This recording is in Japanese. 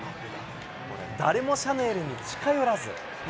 誰もシャヌエルに近寄らず。